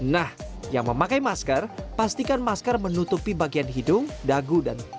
nah yang memakai masker pastikan masker menutupi bagian hidung dagu dan